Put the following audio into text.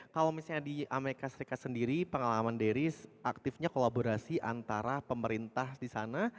kalau misalnya di amerika serikat sendiri pengalaman deris aktifnya kolaborasi antara pemerintah di sana